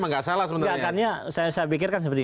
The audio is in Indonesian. kalau pengawasannya memang gak salah sebenarnya